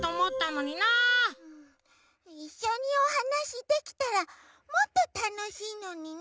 いっしょにおはなしできたらもっとたのしいのにね。